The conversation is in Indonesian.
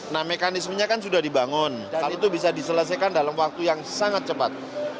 nah mekanismenya kan sudah dibangun dan itu bisa diselesaikan dalam waktu yang sangat cepat